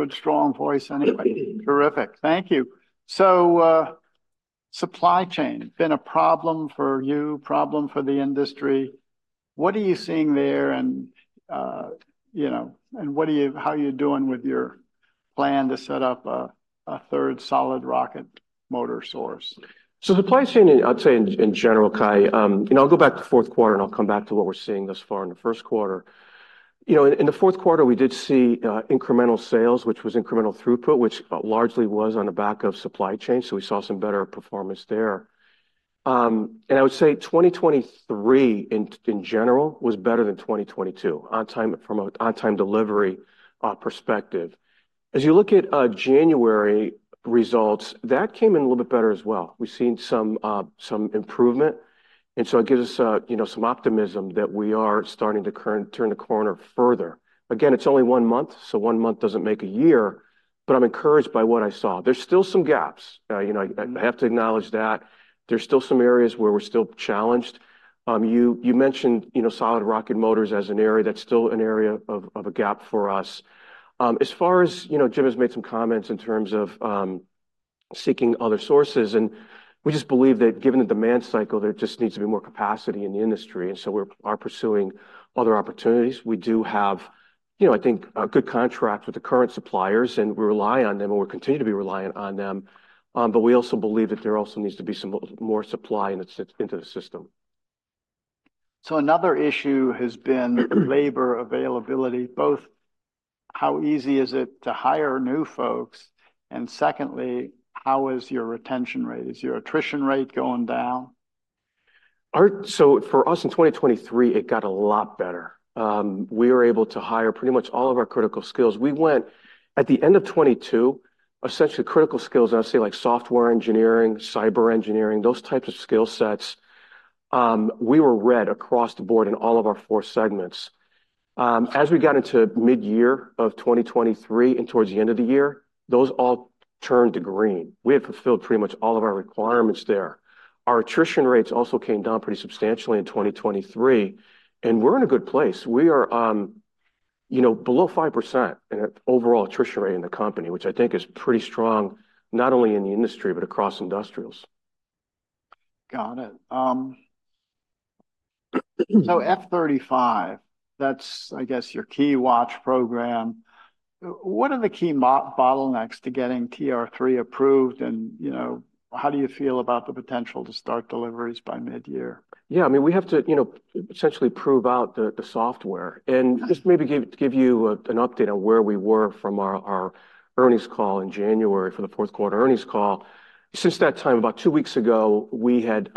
Good, strong voice anyway. Terrific. Thank you. So, supply chain, been a problem for you, problem for the industry. What are you seeing there, and, you know, and how are you doing with your plan to set up a third solid rocket motor source? So supply chain, I'd say in general, Cai, you know, I'll go back to fourth quarter, and I'll come back to what we're seeing thus far in the first quarter. You know, in the fourth quarter, we did see incremental sales, which was incremental throughput, which largely was on the back of supply chain, so we saw some better performance there. And I would say 2023, in general, was better than 2022, on time, from an on-time delivery perspective. As you look at January results, that came in a little bit better as well. We've seen some improvement, and so it gives us, you know, some optimism that we are starting to turn the corner further. Again, it's only one month, so one month doesn't make a year, but I'm encouraged by what I saw. There's still some gaps. You know, I have to acknowledge that there's still some areas where we're still challenged. You mentioned, you know, solid rocket motors as an area. That's still an area of a gap for us. As far as, you know, Jim has made some comments in terms of seeking other sources, and we just believe that given the demand cycle, there just needs to be more capacity in the industry, and so we're pursuing other opportunities. We do have, you know, I think, a good contract with the current suppliers, and we rely on them, and we'll continue to be reliant on them. But we also believe that there also needs to be some more supply into the system. Another issue has been labor availability, both how easy is it to hire new folks, and secondly, how is your retention rate? Is your attrition rate going down? So for us, in 2023, it got a lot better. We were able to hire pretty much all of our critical skills. We went, at the end of 2022, essentially critical skills, and I'd say like software engineering, cyber engineering, those types of skill sets, we were red across the board in all of our four segments. As we got into mid-year of 2023 and towards the end of the year, those all turned to green. We have fulfilled pretty much all of our requirements there. Our attrition rates also came down pretty substantially in 2023, and we're in a good place. We are, you know, below 5% in overall attrition rate in the company, which I think is pretty strong, not only in the industry, but across industrials. Got it. So F-35, that's, I guess, your key watch program. What are the key bottlenecks to getting TR-3 approved, and, you know, how do you feel about the potential to start deliveries by mid-year? Yeah, I mean, we have to, you know, essentially prove out the software. And just maybe give you an update on where we were from our earnings call in January, for the fourth quarter earnings call. Since that time, about two weeks ago, we had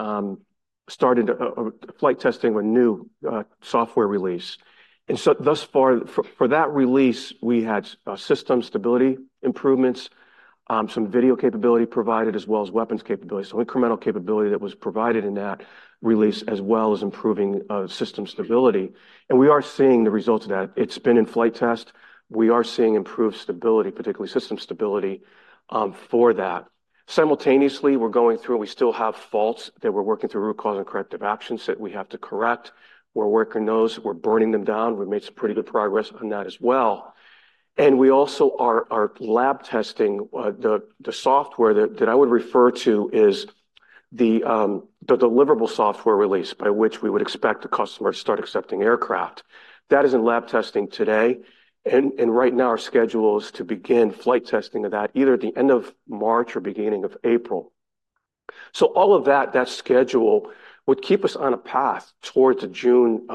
started a flight testing with new software release. And so thus far, for that release, we had system stability improvements, some video capability provided, as well as weapons capability. So incremental capability that was provided in that release, as well as improving system stability, and we are seeing the results of that. It's been in flight test. We are seeing improved stability, particularly system stability, for that. Simultaneously, we're going through... We still have faults that we're working through root cause and corrective actions that we have to correct. We're working those. We're burning them down. We've made some pretty good progress on that as well. We also are lab testing the software that I would refer to as the deliverable software release, by which we would expect the customer to start accepting aircraft. That is in lab testing today, and right now, our schedule is to begin flight testing of that either at the end of March or beginning of April. So all of that schedule would keep us on a path towards a June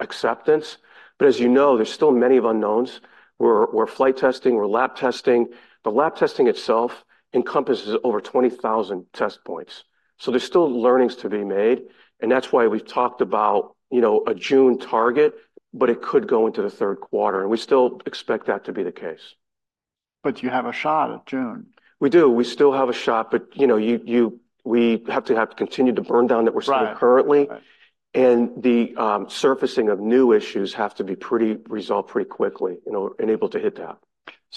acceptance. But as you know, there's still many of unknowns. We're flight testing, we're lab testing. The lab testing itself encompasses over 20,000 test points, so there's still learnings to be made, and that's why we've talked about, you know, a June target, but it could go into the third quarter, and we still expect that to be the case. You have a shot at June? We do. We still have a shot, but, you know, we have to continue to burn down that we're seeing- Right... currently. Right. The surfacing of new issues have to be resolved pretty quickly, in order and able to hit that.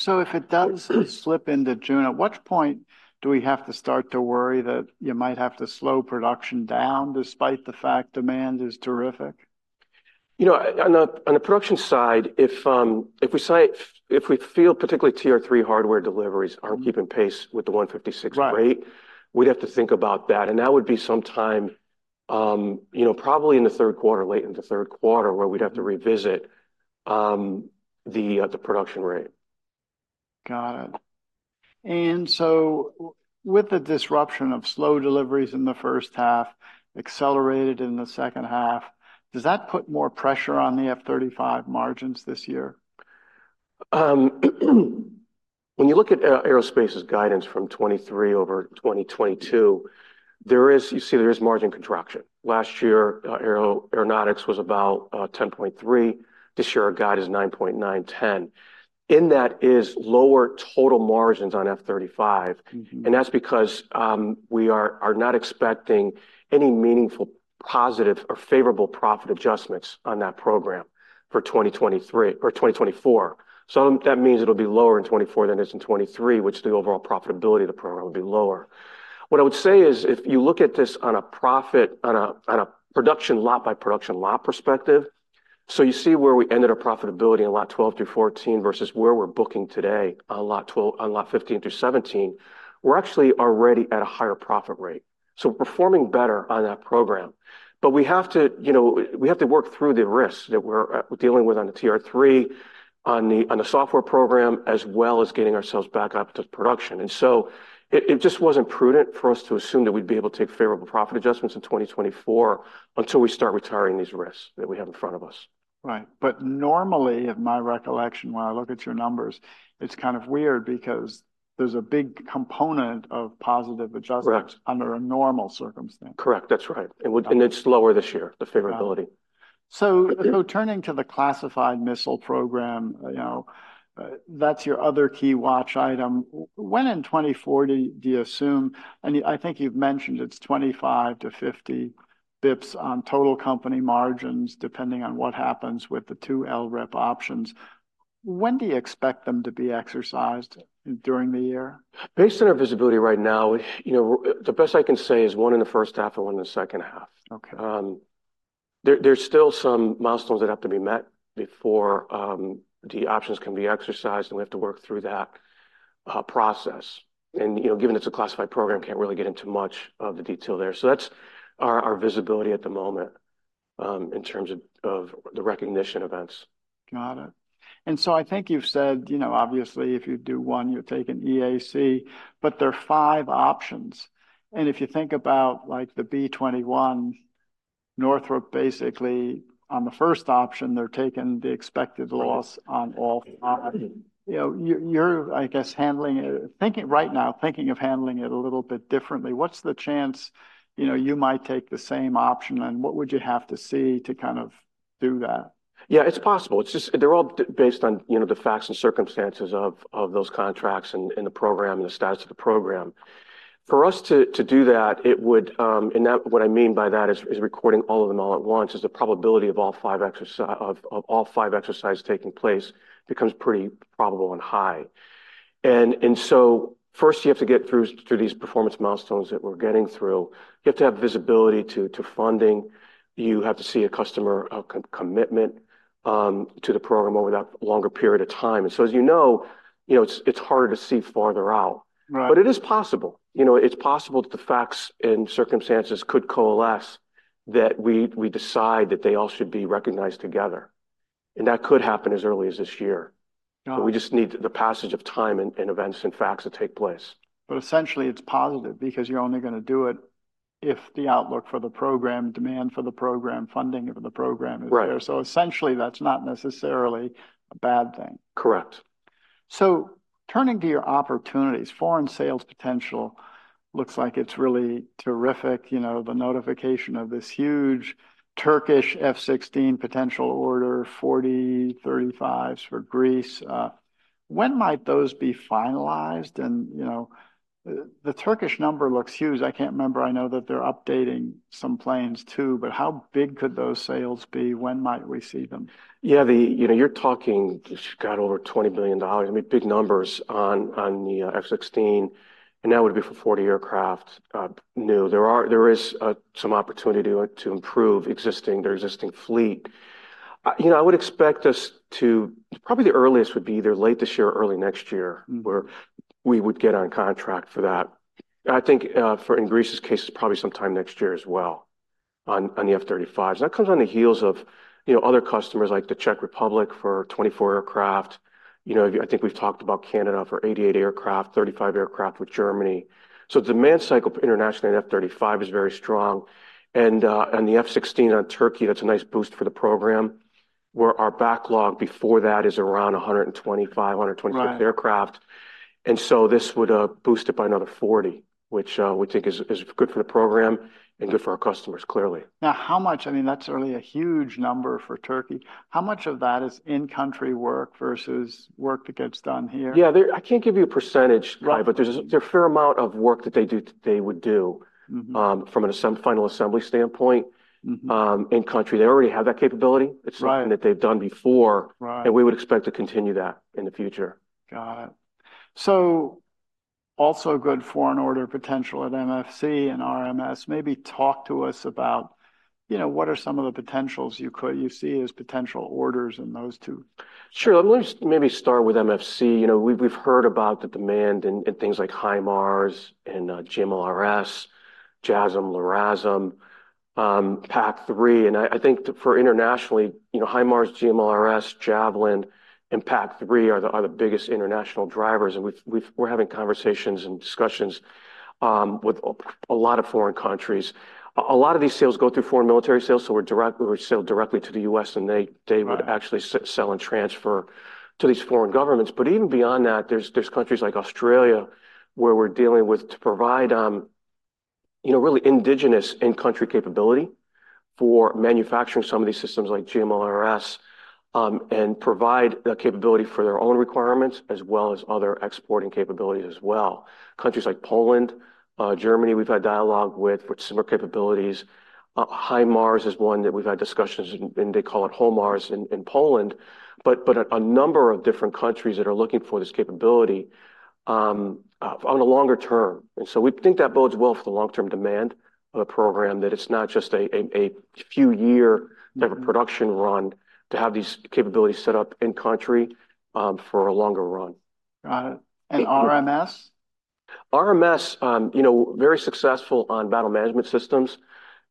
If it does slip into June, at what point do we have to start to worry that you might have to slow production down, despite the fact demand is terrific? You know, on the production side, if we feel particularly TR-3 hardware deliveries aren't keeping pace with the 156 rate- Right ... we'd have to think about that, and that would be sometime, you know, probably in the third quarter, late in the third quarter, where we'd have to revisit the production rate. Got it. And so with the disruption of slow deliveries in the first half, accelerated in the second half, does that put more pressure on the F-35 margins this year? When you look at Aerospace guidance from 2023 over 2022, there is, you see, margin contraction. Last year, Aeronautics was about 10.3%. This year, our guide is 9.9%-10%. In that is lower total margins on F-35. Mm-hmm. That's because we are not expecting any meaningful, positive, or favorable profit adjustments on that program for 2023 or 2024. So that means it'll be lower in 2024 than it is in 2023, which the overall profitability of the program will be lower. What I would say is, if you look at this on a production lot by production lot perspective. So you see where we ended our profitability in Lot 12 through 14 versus where we're booking today on Lot 12, on Lot 15 through 17, we're actually already at a higher profit rate, so we're performing better on that program. But we have to, you know, we have to work through the risks that we're dealing with on the TR-3, on the software program, as well as getting ourselves back up to production. And so it just wasn't prudent for us to assume that we'd be able to take favorable profit adjustments in 2024 until we start retiring these risks that we have in front of us. Right. But normally, if my recollection, when I look at your numbers, it's kind of weird because there's a big component of positive adjustments- Correct. under a normal circumstance. Correct. That's right. And it's lower this year, the favorability. Turning to the classified missile program, you know, that's your other key watch item. When in 2040 do you assume? And I think you've mentioned it's 25-50 basis points on total company margins, depending on what happens with the two LRIP options. When do you expect them to be exercised during the year? Based on our visibility right now, you know, the best I can say is one in the first half and one in the second half. Okay. There's still some milestones that have to be met before the options can be exercised, and we have to work through that process. And, you know, given it's a classified program, can't really get into much of the detail there. So that's our visibility at the moment in terms of the recognition events. Got it. So I think you've said, you know, obviously, if you do one, you're taking EAC, but there are five options. And if you think about, like, the B-21, Northrop, basically on the first option, they're taking the expected loss on all five. You know, you're, I guess, handling it, thinking right now of handling it a little bit differently. What's the chance, you know, you might take the same option, and what would you have to see to kind of do that? Yeah, it's possible. It's just they're all based on, you know, the facts and circumstances of those contracts and the program and the status of the program. For us to do that, it would. And that, what I mean by that is recording all of them all at once is the probability of all five exercises taking place becomes pretty probable and high. And so first, you have to get through these performance milestones that we're getting through. You have to have visibility to funding. You have to see a customer commitment to the program over that longer period of time. And so, as you know, you know, it's harder to see farther out. Right. But it is possible. You know, it's possible that the facts and circumstances could coalesce, that we decide that they all should be recognized together, and that could happen as early as this year. Got it. But we just need the passage of time and events and facts to take place. Essentially, it's positive because you're only gonna do it if the outlook for the program, demand for the program, funding of the program is there. Right. Essentially, that's not necessarily a bad thing. Correct. Turning to your opportunities, foreign sales potential looks like it's really terrific. You know, the notification of this huge Turkish F-16 potential order, 40 F-35s for Greece. When might those be finalized? And, you know, the Turkish number looks huge. I can't remember. I know that they're updating some planes, too, but how big could those sales be? When might we see them? Yeah, the, you know, you're talking, God, over $20 billion. I mean, big numbers on the F-16, and that would be for 40 aircraft, new. There is some opportunity to improve existing, their existing fleet. You know, I would expect us to... Probably, the earliest would be either late this year or early next year- Mm. -where we would get on contract for that. I think, for in Greece's case, it's probably sometime next year as well on, on the F-35s. That comes on the heels of, you know, other customers like the Czech Republic for 24 aircraft. You know, I think we've talked about Canada for 88 aircraft, 35 aircraft with Germany. So demand cycle internationally on F-35 is very strong. And, and the F-16 on Turkey, that's a nice boost for the program, where our backlog before that is around 125, 124 aircraft. Right. This would boost it by another 40, which we think is good for the program and good for our customers, clearly. Now, how much... I mean, that's certainly a huge number for Turkey. How much of that is in-country work versus work that gets done here? Yeah, I can't give you a percentage, Cai- Right... but there's a fair amount of work that they do, they would do- Mm-hmm... from a final assembly standpoint- Mm-hmm... in country. They already have that capability. Right. It's something that they've done before- Right We would expect to continue that in the future. Got it. So also good foreign order potential at MFC and RMS. Maybe talk to us about, you know, what are some of the potentials you see as potential orders in those two? Sure. Let me just maybe start with MFC. You know, we've heard about the demand and things like HIMARS and GMLRS, JASSM, LRASM, PAC-3. And I think for internationally, you know, HIMARS, GMLRS, Javelin, and PAC-3 are the biggest international drivers, and we're having conversations and discussions with a lot of foreign countries. A lot of these sales go through Foreign Military Sales, so we sell directly to the U.S., and they. Right... would actually sell and transfer to these foreign governments. But even beyond that, there's countries like Australia, where we're dealing with to provide, you know, really indigenous in-country capability for manufacturing some of these systems like GMLRS, and provide the capability for their own requirements, as well as other exporting capabilities as well. Countries like Poland, Germany, we've had dialogue with, with similar capabilities. HIMARS is one that we've had discussions, and they call it HOMARS in Poland, but a number of different countries that are looking for this capability, on a longer term. And so we think that bodes well for the long-term demand of the program, that it's not just a few year- Mm... type of production run to have these capabilities set up in country, for a longer run.... Got it. And RMS? RMS, you know, very successful on battle management systems.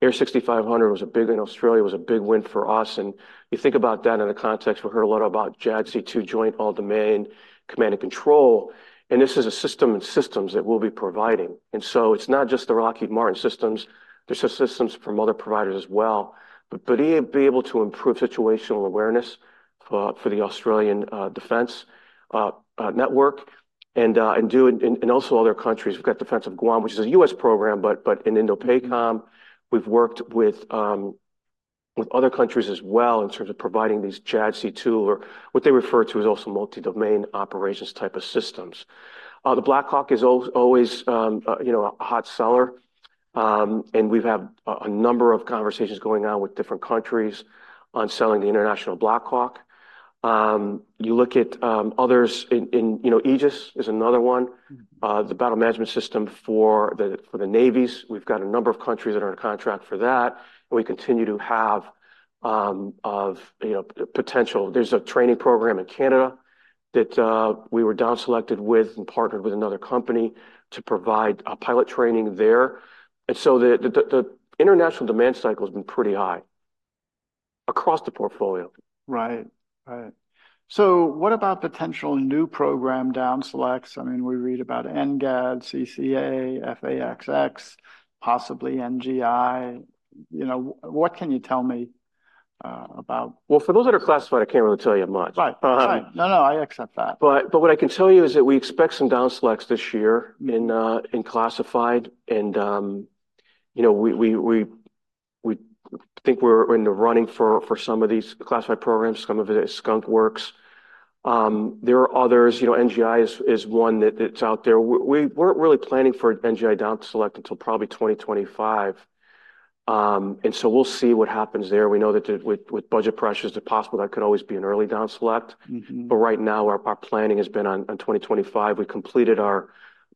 AIR6500 was a big win, Australia was a big win for us, and you think about that in the context, we've heard a lot about JADC2 Joint All-Domain Command and Control, and this is a system and systems that we'll be providing. And so it's not just the Lockheed Martin systems, there's systems from other providers as well. But he'll be able to improve situational awareness for the Australian defense network, and do it, and also other countries. We've got Defense of Guam, which is a U.S. program, but in INDOPACOM, we've worked with other countries as well in terms of providing these JADC2 or what they refer to as also multi-domain operations type of systems. The Black Hawk is always, you know, a hot seller, and we've had a number of conversations going on with different countries on selling the international Black Hawk. You look at others in... You know, Aegis is another one. Mm. The battle management system for the navies. We've got a number of countries that are under contract for that, and we continue to have, you know, potential. There's a training program in Canada that we were down selected with and partnered with another company to provide a pilot training there. And so the international demand cycle has been pretty high across the portfolio. Right. Right. So what about potential new program down selects? I mean, we read about NGAD, CCA, F/A-XX, possibly NGI. You know, what can you tell me about? Well, for those that are classified, I can't really tell you much. Right. Uh- Right. No, no, I accept that. But what I can tell you is that we expect some down selects this year in classified and, you know, we think we're in the running for some of these classified programs, some of it is Skunk Works. There are others, you know, NGI is one that's out there. We weren't really planning for an NGI down select until probably 2025. And so we'll see what happens there. We know that with budget pressures, it's possible that could always be an early down select. Mm-hmm. But right now, our planning has been on 2025. We completed our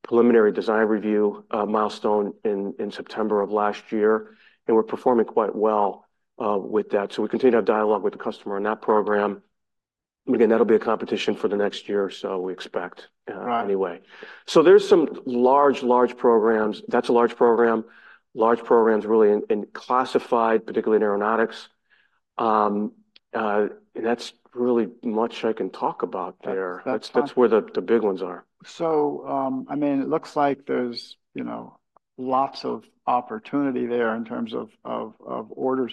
preliminary design review milestone in September of last year, and we're performing quite well with that. So we continue to have dialogue with the customer on that program. Again, that'll be a competition for the next year or so, we expect. Right... anyway. So there's some large, large programs. That's a large program, large programs really in classified, particularly in Aeronautics. And that's really much I can talk about there. That's, that's- That's where the big ones are. I mean, it looks like there's, you know, lots of opportunity there in terms of orders.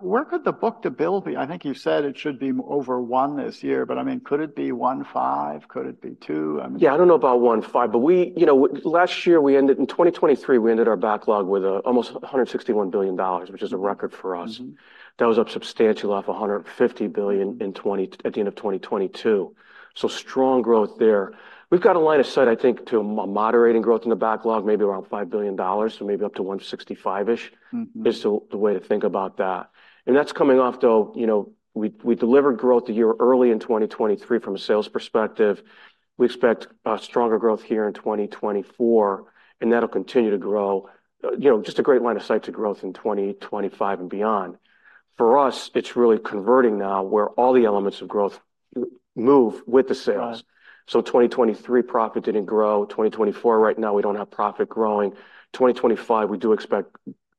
Where could the book-to-bill be? I think you said it should be over one this year, but I mean, could it be one, five? Could it be two? I mean- Yeah, I don't know about one, five, but we... You know, last year, we ended, in 2023, we ended our backlog with almost $161 billion, which is a record for us. Mm. That was up substantially off $150 billion in 2022 at the end of 2022. So strong growth there. We've got a line of sight, I think, to moderating growth in the backlog, maybe around $5 billion, so maybe up to 165-ish- Mm-hmm is the way to think about that. And that's coming off, though, you know, we delivered growth a year early in 2023 from a sales perspective. We expect stronger growth here in 2024, and that'll continue to grow. You know, just a great line of sight to growth in 2025 and beyond. For us, it's really converting now where all the elements of growth move with the sales. Right. So 2023, profit didn't grow. 2024, right now, we don't have profit growing. 2025, we do expect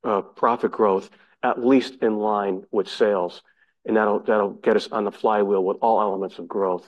profit growth, at least in line with sales, and that'll, that'll get us on the flywheel with all elements of growth,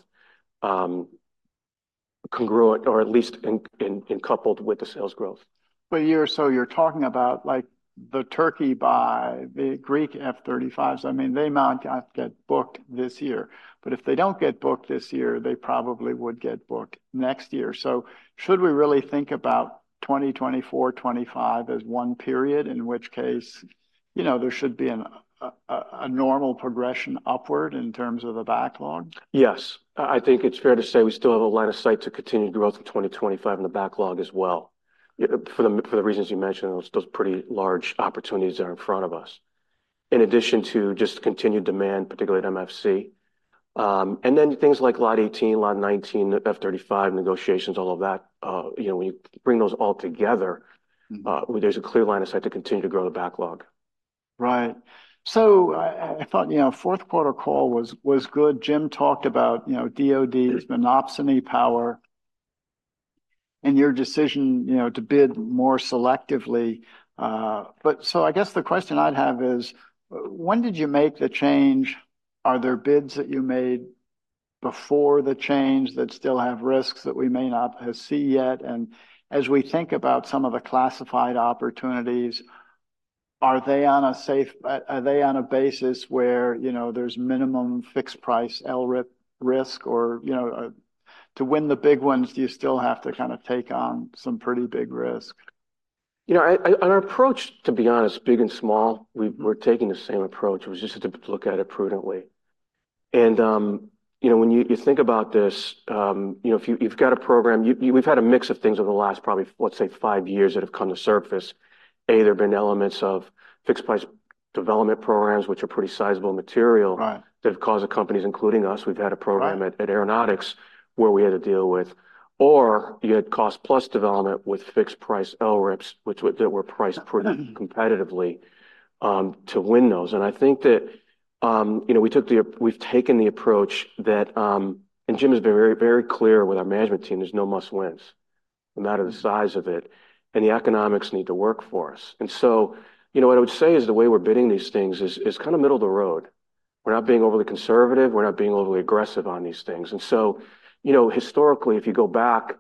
congruent, or at least in, in, in coupled with the sales growth. But you're so you're talking about, like, the Turkey buy, the Greek F-35s, I mean, they might not get booked this year, but if they don't get booked this year, they probably would get booked next year. So should we really think about 2024, 2025 as one period, in which case, you know, there should be a normal progression upward in terms of a backlog? Yes. I think it's fair to say we still have a line of sight to continued growth in 2025 in the backlog as well. For the reasons you mentioned, those pretty large opportunities are in front of us, in addition to just continued demand, particularly at MFC. And then things like Lot 18, Lot 19, F-35 negotiations, all of that, you know, when you bring those all together- Mm... there's a clear line of sight to continue to grow the backlog. Right. So I thought, you know, fourth quarter call was good. Jim talked about, you know, DoD's monopsony power and your decision, you know, to bid more selectively. But so I guess the question I'd have is, when did you make the change? Are there bids that you made before the change that still have risks that we may not have see yet? And as we think about some of the classified opportunities, are they on a safe... are they on a basis where, you know, there's minimum fixed price, LRIP risk, or, you know, to win the big ones, do you still have to kind of take on some pretty big risk? You know, I and our approach, to be honest, big and small, we're taking the same approach. It was just to look at it prudently. And, you know, when you think about this, you know, if you've got a program, you, we've had a mix of things over the last probably, let's say, five years, that have come to surface. There have been elements of fixed price development programs, which are pretty sizable material- Right... that have caused the companies, including us, we've had a program- Right... at Aeronautics, where we had to deal with, or you had cost plus development with fixed price LRIPS, which were that were priced pretty competitively to win those. And I think that, you know, we took the we've taken the approach that, and Jim has been very, very clear with our management team, there's no must-wins, no matter the size of it, and the economics need to work for us. And so, you know, what I would say is the way we're bidding these things is kinda middle of the road. We're not being overly conservative, we're not being overly aggressive on these things. So, you know, historically, if you go back,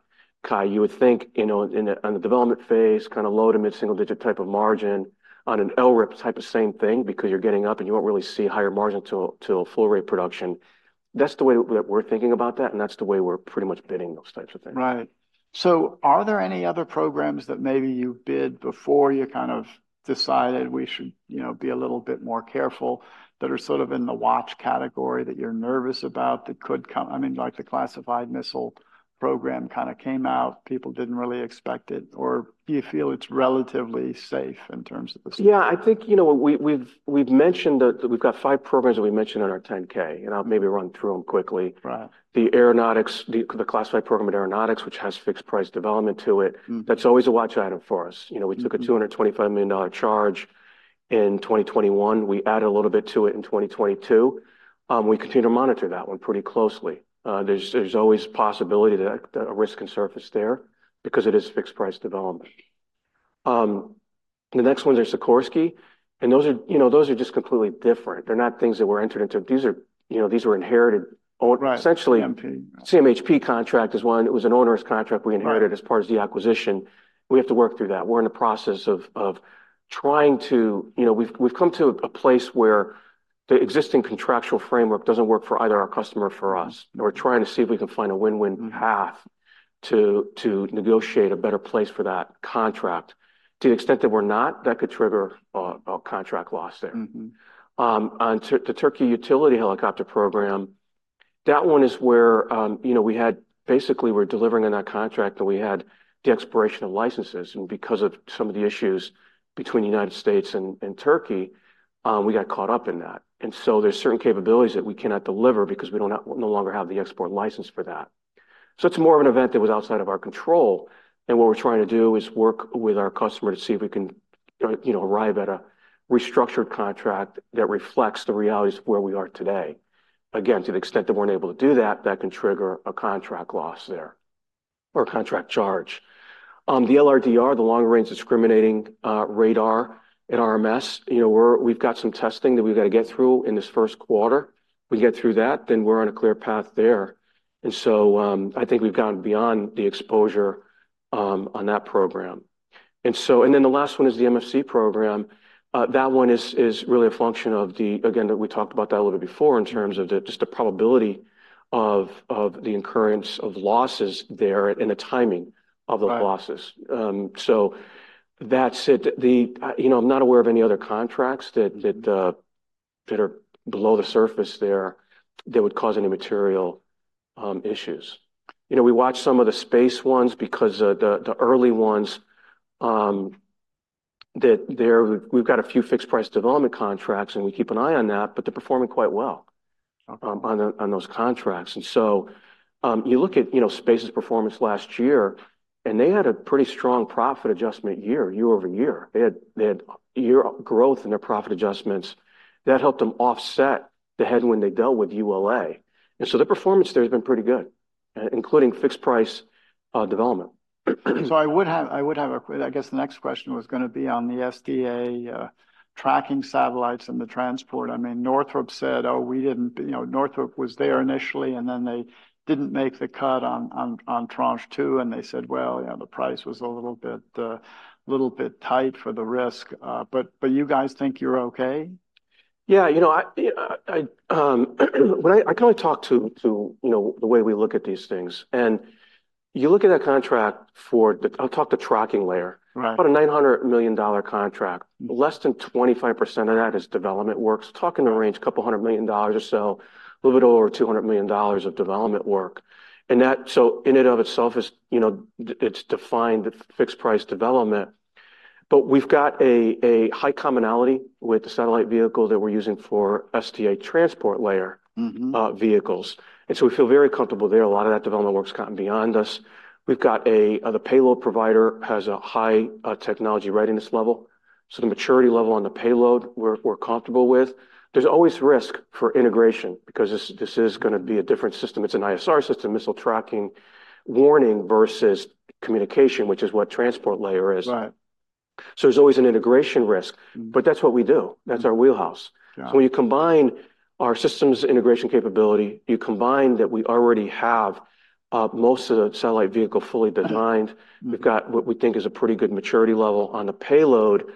Cai, you would think, you know, in a, on the development phase, kinda low to mid-single digit type of margin on an LRIP type of same thing, because you're getting up and you won't really see higher margin till, till full rate production. That's the way that we're thinking about that, and that's the way we're pretty much bidding those types of things. Right. So are there any other programs that maybe you bid before you kind of decided we should, you know, be a little bit more careful, that are sort of in the watch category, that you're nervous about, that could come-- I mean, like the classified missile program kinda came out, people didn't really expect it? Or do you feel it's relatively safe in terms of the- Yeah, I think, you know, we've mentioned that we've got five programs that we mentioned on our 10-K, and I'll maybe run through them quickly. Right. The Aeronautics, the classified program in Aeronautics, which has fixed price development to it- Mm.... that's always a watch item for us. Mm. You know, we took a $225 million charge in 2021. We added a little bit to it in 2022. We continue to monitor that one pretty closely. There's always possibility that a risk can surface there because it is fixed price development. The next one is Sikorsky, and those are, you know, those are just completely different. They're not things that we're entered into. These are, you know, these were inherited o- Right. Essentially- MP... CMHP contract is one, it was an onerous contract we inherited- Right... as part of the acquisition. We have to work through that. We're in the process of trying to... You know, we've come to a place where the existing contractual framework doesn't work for either our customer or for us. Mm. We're trying to see if we can find a win-win path- Mm... to negotiate a better place for that contract. To the extent that we're not, that could trigger a contract loss there. Mm-hmm. On the Turkey Utility Helicopter Program, that one is where, you know, we had basically we're delivering on that contract, and we had the expiration of licenses. And because of some of the issues between the United States and Turkey, we got caught up in that. And so there's certain capabilities that we cannot deliver because we no longer have the export license for that. So it's more of an event that was outside of our control, and what we're trying to do is work with our customer to see if we can, you know, arrive at a restructured contract that reflects the realities of where we are today. Again, to the extent that we're unable to do that, that can trigger a contract loss there, or a contract charge. The LRDR, the Long-Range Discriminating Radar at RMS, you know, we've got some testing that we've got to get through in this first quarter. We get through that, then we're on a clear path there. And so, I think we've gone beyond the exposure on that program. And so, and then the last one is the MFC program. That one is really a function of, again, that we talked about that a little bit before in terms of just the probability of the incurrence of losses there and the timing of the losses. Right. So that's it. You know, I'm not aware of any other contracts that are below the surface there that would cause any material issues. You know, we watched some of the space ones because the early ones we've got a few fixed price development contracts, and we keep an eye on that, but they're performing quite well- Okay... on the, on those contracts. And so, you look at, you know, Space's performance last year, and they had a pretty strong profit adjustment year, year over year. They had, they had year growth in their profit adjustments. That helped them offset the headwind they dealt with ULA. And so the performance there has been pretty good, including fixed price development. So I would have a... I guess the next question was gonna be on the SDA tracking satellites and the transport. I mean, Northrop said, "Oh, we didn't..." You know, Northrop was there initially, and then they didn't make the cut on Tranche 2, and they said, "Well, you know, the price was a little bit tight for the risk." But you guys think you're okay? Yeah, you know, when I kinda talked to you know, the way we look at these things, and you look at a contract for the... I'll talk the Tracking Layer. Right. About a $900 million contract. Mm. Less than 25% of that is development works. Talking in the range of $200 million or so, a little bit over $200 million of development work. That, so in and of itself is, you know, it's defined the fixed price development. But we've got a high commonality with the satellite vehicle that we're using for SDA Transport Layer- Mm-hmm... vehicles. And so we feel very comfortable there. A lot of that development work's gotten beyond us. We've got a, the payload provider has a high, technology readiness level, so the maturity level on the payload, we're comfortable with. There's always risk for integration, because this is gonna be a different system. It's an ISR system, missile tracking, warning versus communication, which is what Transport Layer is. Right. There's always an integration risk. Mm. But that's what we do. Mm. That's our wheelhouse. Yeah. So when you combine our systems integration capability, you combine that we already have most of the satellite vehicle fully designed. Mm. We've got what we think is a pretty good maturity level on the payload,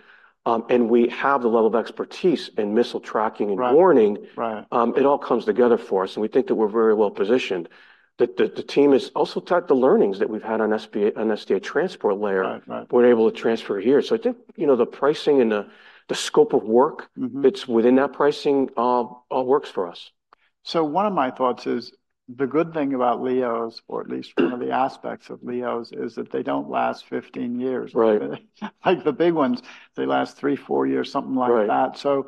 and we have the level of expertise in missile tracking and warning. Right, right. It all comes together for us, and we think that we're very well positioned. The team is also taught the learnings that we've had on SDA- on SDA Transport Layer- Right, right... we're able to transfer here. So I think, you know, the pricing and the scope of work- Mm-hmm... that's within that pricing, works for us. One of my thoughts is, the good thing about LEOs, or at least one of the aspects of LEOs, is that they don't last 15 years. Right. Like the big ones, they last three, four years, something like that. Right....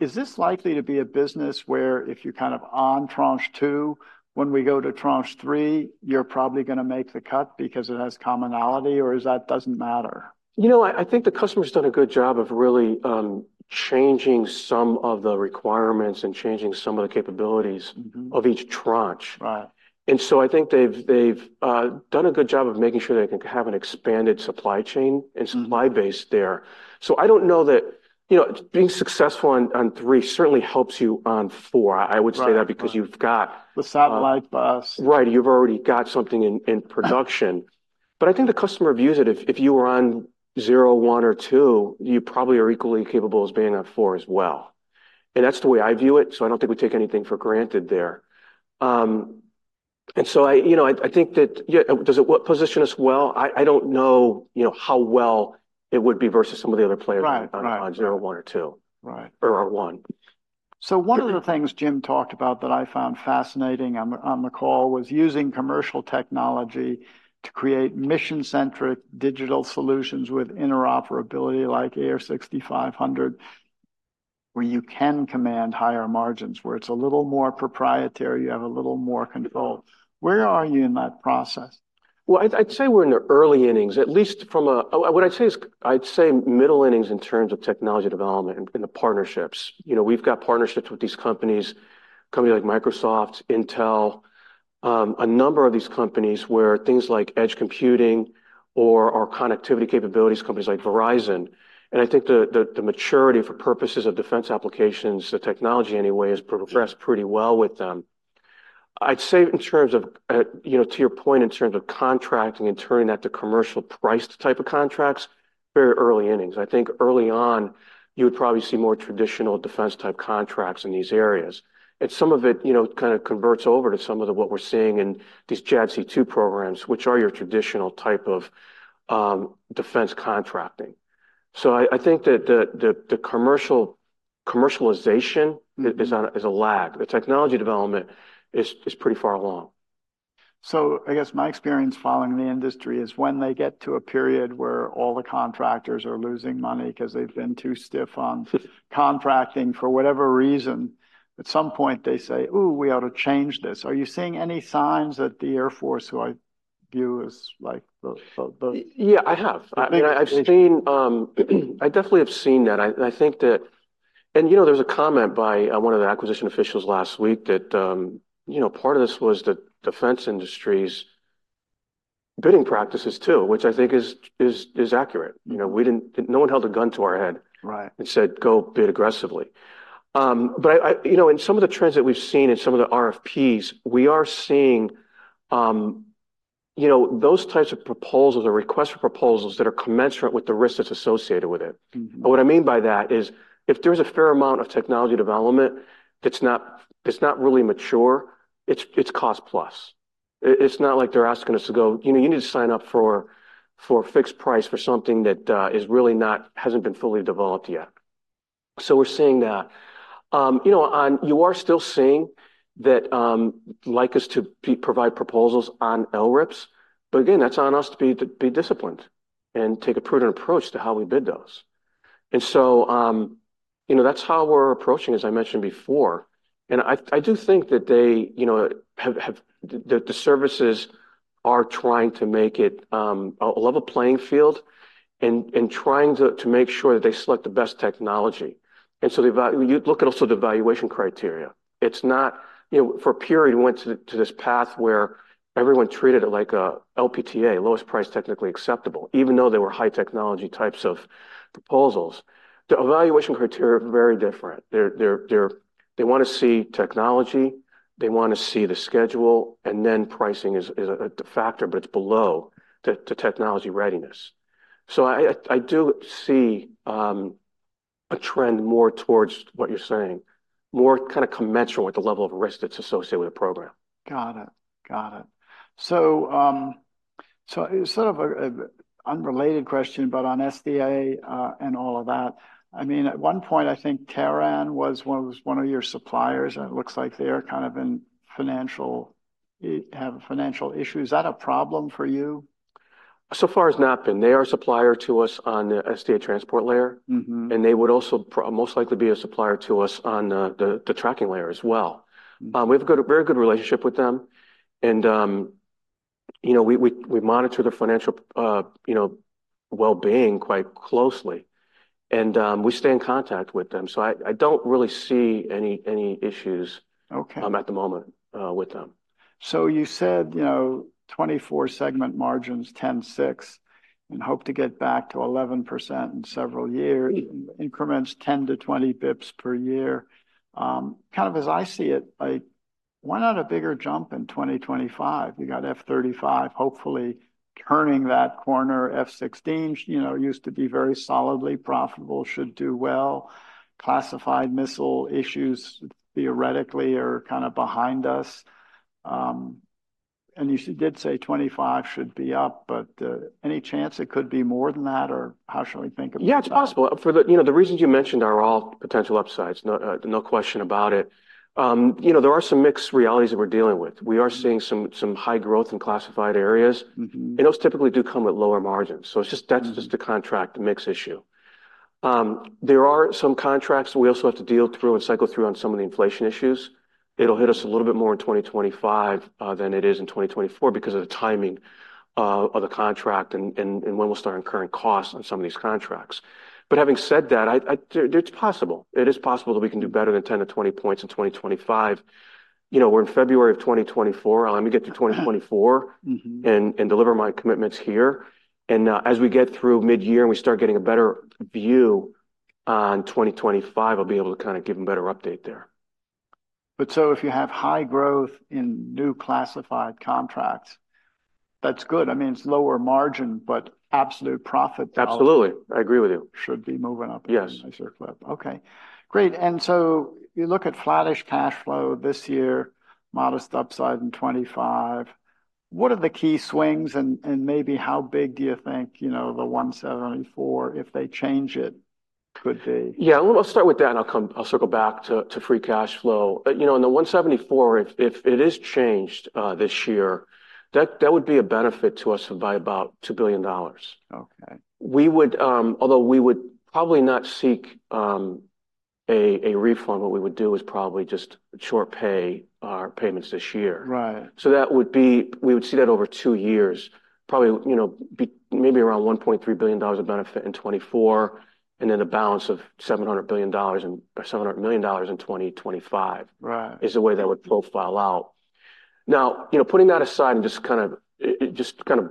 Is this likely to be a business where if you're kind of on Tranche 2, when we go to Tranche 3, you're probably gonna make the cut because it has commonality, or is that doesn't matter? You know what? I think the customer's done a good job of really changing some of the requirements and changing some of the capabilities- Mm-hmm. of each Tranche. Right. So I think they've done a good job of making sure they can have an expanded supply chain- Mm. and supply base there. So I don't know that, you know, being successful on three certainly helps you on four. Right, right. I would say that because you've got- The satellite bus. Right, you've already got something in production. But I think the customer views it, if you were on zero, one, or two, you probably are equally capable as being on four as well. And that's the way I view it, so I don't think we take anything for granted there. And so I, you know, I think that, yeah, does it position us well? I don't know, you know, how well it would be versus some of the other players- Right. Right -on zero, one, or two. Right. Or on one. So one of the things Jim talked about that I found fascinating on the, on the call was using commercial technology to create mission-centric digital solutions with interoperability like AIR6500, where you can command higher margins, where it's a little more proprietary, you have a little more control. Where are you in that process? Well, I'd say we're in the early innings, at least from a... What I'd say is, I'd say middle innings in terms of technology development and the partnerships. You know, we've got partnerships with these companies, companies like Microsoft, Intel, a number of these companies, where things like edge computing or our connectivity capabilities, companies like Verizon, and I think the maturity for purposes of defense applications, the technology anyway, has progressed pretty well with them. I'd say in terms of, you know, to your point, in terms of contracting and turning that to commercial priced type of contracts, very early innings. I think early on, you would probably see more traditional defense-type contracts in these areas. And some of it, you know, kind of converts over to some of the, what we're seeing in these JADC2 programs, which are your traditional type of, defense contracting. So I think that the commercial, commercialization- Mm-hmm... is a lag. The technology development is pretty far along. So I guess my experience following the industry is when they get to a period where all the contractors are losing money 'cause they've been too stiff on contracting, for whatever reason, at some point they say, "Ooh, we ought to change this." Are you seeing any signs that the Air Force, who I view as like the- Yeah, I have. I think- I mean, I've seen, I definitely have seen that. I think that... you know, there was a comment by one of the acquisition officials last week that, you know, part of this was the defense industry's bidding practices, too, which I think is accurate. Mm. You know, no one held a gun to our head- Right... and said, "Go bid aggressively." But I you know, in some of the trends that we've seen in some of the RFPs, we are seeing, you know, those types of proposals or request for proposals that are commensurate with the risk that's associated with it. Mm-hmm. And what I mean by that is, if there's a fair amount of technology development that's not really mature, it's cost plus. It's not like they're asking us to go, "You know, you need to sign up for a fixed price for something that is really hasn't been fully developed yet." So we're seeing that. You know, on you are still seeing that, like us to provide proposals on LRIPS, but again, that's on us to be disciplined and take a prudent approach to how we bid those. And so, you know, that's how we're approaching, as I mentioned before. And I do think that they, you know, have. The services are trying to make it a level playing field and trying to make sure that they select the best technology. And so you look at also the evaluation criteria. It's not... You know, for a period, we went to this path where everyone treated it like a LPTA, lowest price technically acceptable, even though they were high technology types of proposals. The evaluation criteria are very different. They want to see technology, they want to see the schedule, and then pricing is a factor, but it's below the technology readiness. So I do see a trend more towards what you're saying, more kind of commensurate with the level of risk that's associated with the program. Got it. Got it. So, sort of an unrelated question, but on SDA and all of that, I mean, at one point, I think Terran was one of your suppliers, and it looks like they have financial issues. Is that a problem for you? So far, it's not been. They are a supplier to us on the SDA Transport Layer. Mm-hmm. They would also most likely be a supplier to us on the Tracking Layer as well. Mm. We have a good, a very good relationship with them, and, you know, we monitor their financial, you know, wellbeing quite closely. We stay in contact with them, so I don't really see any issues. Okay... at the moment, with them. You said, you know, 24 segment margins, 10.6%, and hope to get back to 11% in several years- Mm... increments, 10-20 basis points per year. Kind of as I see it, why not a bigger jump in 2025? You got F-35 hopefully turning that corner. F-16, you know, used to be very solidly profitable, should do well. Classified missile issues, theoretically, are kind of behind us. And you did say 2025 should be up, but, any chance it could be more than that, or how should we think about that? Yeah, it's possible. For the, you know, the reasons you mentioned are all potential upsides, no, no question about it. You know, there are some mixed realities that we're dealing with. Mm. We are seeing some high growth in classified areas. Mm-hmm. Those typically do come with lower margins. It's just- Mm... that's just a contract mix issue. There are some contracts that we also have to deal through and cycle through on some of the inflation issues. It'll hit us a little bit more in 2025 than it is in 2024 because of the timing of the contract and when we'll start incurring costs on some of these contracts. But having said that, it's possible. It is possible that we can do better than 10-20 points in 2025. You know, we're in February 2024. Let me get through 2024- Mm-hmm. deliver my commitments here, as we get through midyear and we start getting a better view on 2025, I'll be able to kinda give a better update there. But so if you have high growth in new classified contracts, that's good. I mean, it's lower margin, but absolute profit- Absolutely, I agree with you. Should be moving up- Yes Okay, great. And so you look at flattish cash flow this year, modest upside in 2025. What are the key swings, and maybe how big do you think, you know, 174, if they change it, could be? Yeah, let me... I'll start with that, and I'll circle back to free cash flow. You know, in the 174, if it is changed this year, that would be a benefit to us by about $2 billion. Okay. We would. Although we would probably not seek a refund, what we would do is probably just short pay our payments this year. Right. So we would see that over two years, probably, you know, maybe around $1.3 billion of benefit in 2024, and then a balance of $700 billion in, or $700 million in 2025- Right -is the way that would profile out. Now, you know, putting that aside and just kind of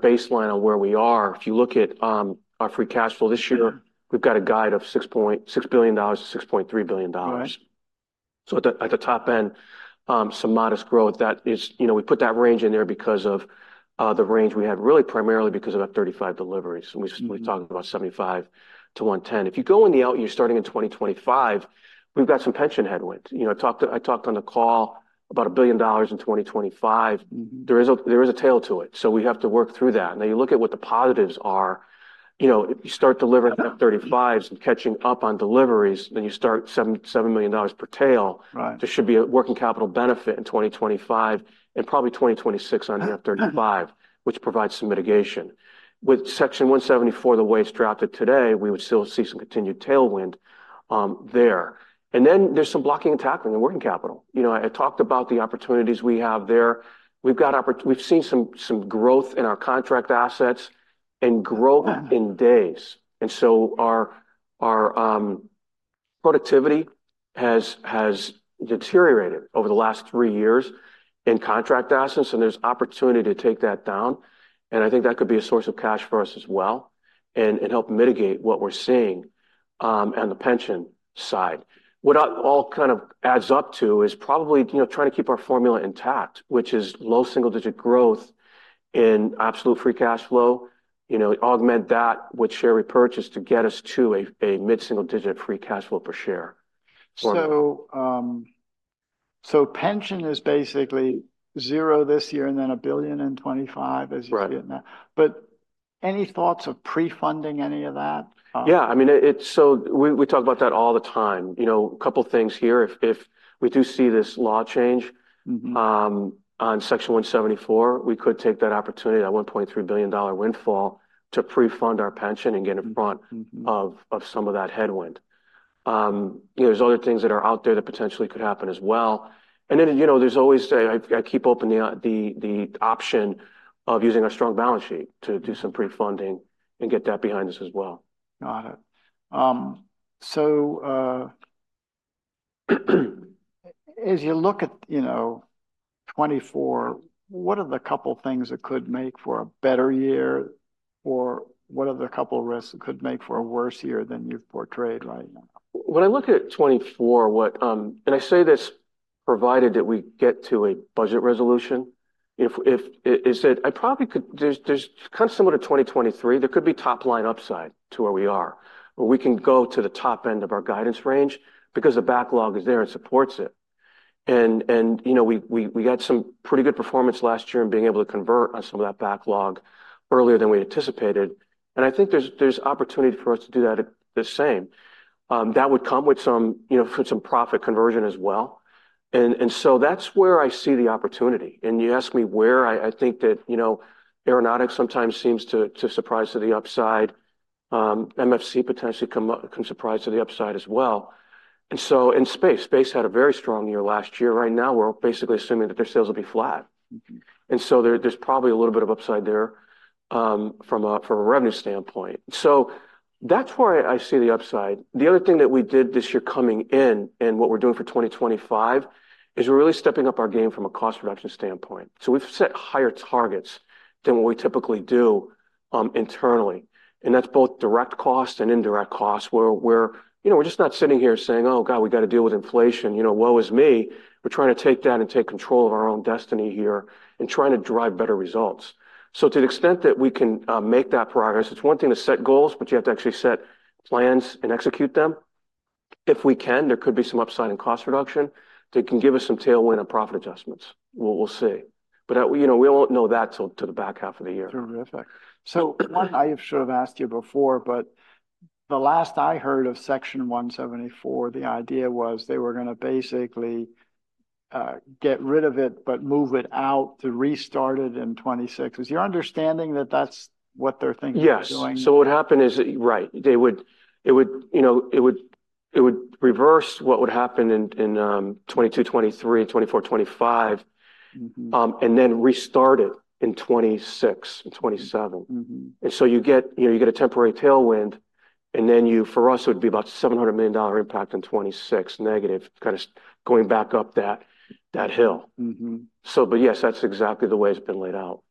baseline on where we are, if you look at our free cash flow this year- Yeah We've got a guidance of $6 billion-$6.3 billion. Right. So at the top end, some modest growth that is, you know, we put that range in there because of the range we had, really primarily because of that 35 deliveries, and we- Mm-hmm... we talked about 75-110. If you go in the out year starting in 2025, we've got some pension headwinds. You know, I talked, I talked on the call about $1 billion in 2025. Mm-hmm. There is a tail to it, so we have to work through that. Now, you look at what the positives are, you know, if you start delivering- Yeah F-35s and catching up on deliveries, then you start $77 million per tail. Right. There should be a working capital benefit in 2025 and probably 2026 on the F-35- Mm-hmm -which provides some mitigation. With Section 174, the way it's drafted today, we would still see some continued tailwind there. And then there's some blocking and tackling in working capital. You know, I talked about the opportunities we have there. We've seen some growth in our contract assets and growth in days. And so our productivity has deteriorated over the last three years in contract assets, and there's opportunity to take that down, and I think that could be a source of cash for us as well and help mitigate what we're seeing on the pension side. What that all kind of adds up to is probably, you know, trying to keep our formula intact, which is low single-digit growth in absolute free cash flow. You know, augment that with share repurchase to get us to a mid-single digit free cash flow per share. So. Pension is basically $0 this year and then $1 billion in 2025, as you- Right -see in there. But any thoughts of pre-funding any of that? Yeah, I mean, it's so we talk about that all the time. You know, a couple things here. If we do see this law change- Mm-hmm On Section 174, we could take that opportunity, that $1.3 billion windfall, to pre-fund our pension and get in front- Mm-hmm of some of that headwind. You know, there's other things that are out there that potentially could happen as well. And then, you know, there's always, I keep open the the option of using our strong balance sheet to do some pre-funding and get that behind us as well. Got it. So, as you look at, you know, 2024, what are the couple things that could make for a better year, or what are the couple risks that could make for a worse year than you've portrayed right now? When I look at 2024, what. And I say this, provided that we get to a budget resolution. If I said, I probably could—there's kind of similar to 2023, there could be top-line upside to where we are, where we can go to the top end of our guidance range because the backlog is there and supports it. And, and, you know, we got some pretty good performance last year in being able to convert on some of that backlog earlier than we anticipated, and I think there's opportunity for us to do that at the same. That would come with some, you know, for some profit conversion as well. And, and so that's where I see the opportunity. And you ask me where, I think that, you know, Aeronautics sometimes seems to surprise to the upside. MFC potentially come up, come surprise to the upside as well. Space had a very strong year last year. Right now, we're basically assuming that their sales will be flat. Mm-hmm. There, there's probably a little bit of upside there, from a revenue standpoint. So that's where I see the upside. The other thing that we did this year coming in, and what we're doing for 2025, is we're really stepping up our game from a cost reduction standpoint. So we've set higher targets than what we typically do, internally, and that's both direct costs and indirect costs, where we're, you know, we're just not sitting here saying, "Oh, God, we gotta deal with inflation, you know, woe is me." We're trying to take that and take control of our own destiny here and trying to drive better results. So to the extent that we can make that progress, it's one thing to set goals, but you have to actually set plans and execute them. If we can, there could be some upside in cost reduction that can give us some tailwind on profit adjustments. We'll see. But, you know, we won't know that till to the back half of the year. Terrific. So one, I should have asked you before, but the last I heard of Section 174, the idea was they were gonna basically get rid of it, but move it out to restart it in 2026. Is your understanding that that's what they're thinking of doing? Yes. So what happened is, right, they would... It would, you know, it would, it would reverse what would happen in, in, 2022, 2023, 2024, 2025- Mm-hmm and then restart it in 2026 and 2027. Mm-hmm. And so you get, you know, you get a temporary tailwind, and then you, for us, it would be about a $700 million impact in '2026, negative, kind of going back up that, that hill. Mm-hmm. Yes, that's exactly the way it's been laid out.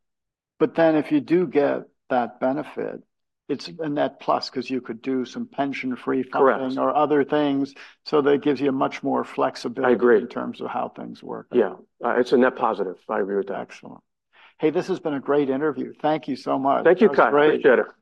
But then, if you do get that benefit, it's a net plus 'cause you could do some pension pre-funding- Correct or other things, so that gives you much more flexibility. I agree in terms of how things work. Yeah, it's a net positive. I agree with that. Excellent. Hey, this has been a great interview. Thank you so much. Thank you, Cai. It was great. Appreciate it.